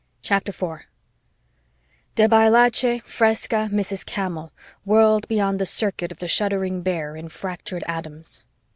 "_ CHAPTER 4 De Bailhache, Fresca, Mrs. Cammel, whirled Beyond the circuit of the shuddering Bear In fractured atoms.